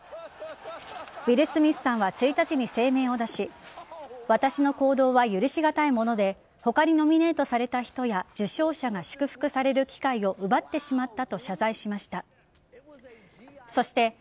ウィル・スミスさんは１日に声明を出し私の行動は許しがたいもので他にノミネートされた人や受賞者が祝福される機会を奪ってしまったと謝罪しました。